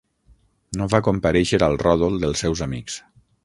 No va comparèixer al ròdol dels seus amics.